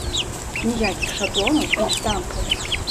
Ніякіх шаблонаў і штампаў!